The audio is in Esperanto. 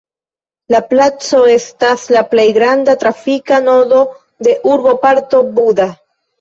La placo estas la plej granda trafika nodo de urboparto Buda.